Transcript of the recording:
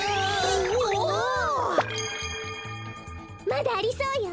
まだありそうよ。